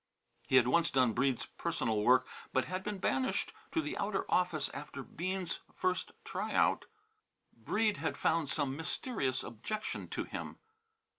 He had once done Breede's personal work, but had been banished to the outer office after Bean's first try out. Breede had found some mysterious objection to him.